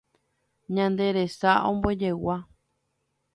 Ñande resa ombojegua